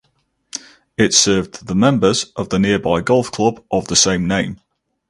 It served the members of the nearby golf club of the same name.